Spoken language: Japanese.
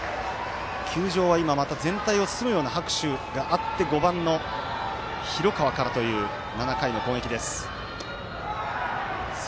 球場は、また今全体を包むような拍手があって５番の広川からという７回の攻撃。